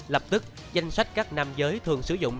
lập tức danh sách các nam giới thường sử dụng